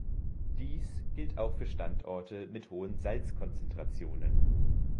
Dies gilt auch für Standorte mit hohen Salzkonzentrationen.